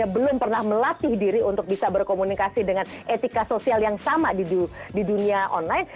belum pernah melatih diri untuk bisa berkomunikasi dengan etika sosial yang sama di dunia online